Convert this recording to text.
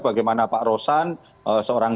bagaimana pak roslani seorang